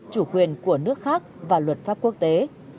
chủ quyền của nước khác và luật pháp quốc tế